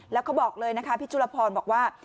แล้วเขาบอกเลยนะคะพี่จุลพรบอกว่า